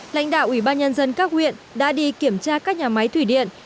lãnh đạo ủy ban nhân dân các huyện đã đi kiểm tra các nhà máy thủy điện